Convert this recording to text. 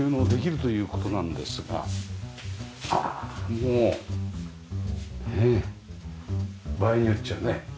もうねえ場合によっちゃね